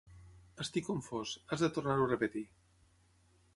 Estic confós, has de tornar-ho a repetir.